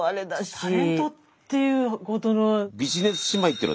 タレントって言うほどの。